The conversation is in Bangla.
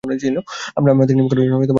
আমরা আমাদের নিয়ম কারো জন্য ভঙ্গ করছে পারি না।